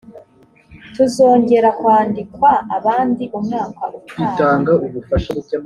tuzongera kwandikwa abandi umwaka utaha